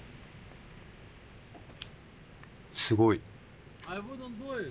すごい。